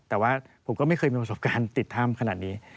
แต่ว่าผมก็ไม่เคยมีประสบการณ์ติดถ้ำขนาดนี้